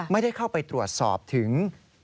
ไม่ได้เข้าไปตรวจสอบถึง